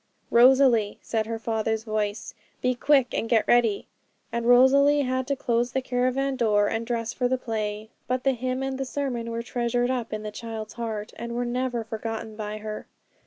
"' 'Rosalie' said her father's voice, 'be quick and get ready' and Rosalie had to close the caravan door and dress for the play. But the hymn and the sermon were treasured up in the child's heart, and were never forgotten by her.